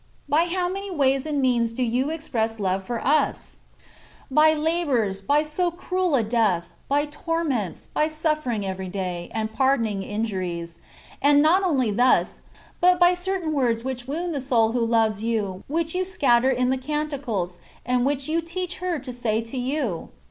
By how many ways and means do you express love for us ! By labours, by so cruel a death, by torments, by suflFering every day, and pardoning injuries ; and not only thus, but by certain words which woimd the soid who loves you, which you scatter in the " Can ticles,'^ and which you teach her to say to you